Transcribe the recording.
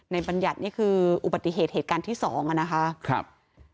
ในบรรยัตน์นี่คืออุบัติเหตุเหตุการณ์ที่๒นะครับ